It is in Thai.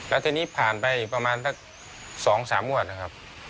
แล้วทีนี้ผ่านไปประมาณสัก๒๓งวดนะครับ